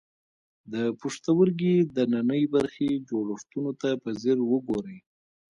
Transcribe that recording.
د پښتورګي دننۍ برخې جوړښتونو ته په ځیر وګورئ.